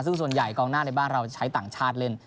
รูปส่วนใหญ่กองน่าในบ้านเราจะใช้ต่างชาติแสร์